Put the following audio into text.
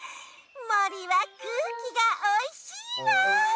もりはくうきがおいしいわ！